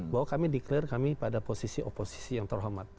bahwa kami declare kami pada posisi oposisi yang terhormat